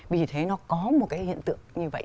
vì thế nó có một cái hiện tượng như vậy